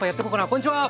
こんにちは！